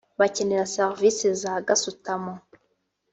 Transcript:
bakenera serivisi za gasutamo